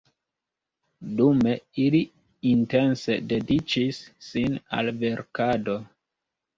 Dume ili intense dediĉis sin al verkado.